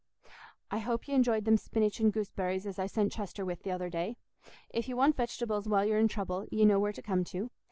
"I hope y' enjoyed them spinach and gooseberries as I sent Chester with th' other day. If ye want vegetables while ye're in trouble, ye know where to come to.